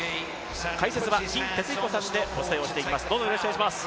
解説は金哲彦さんでお伝えしていきます。